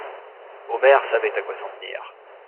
Omer savait à quoi s'en tenir.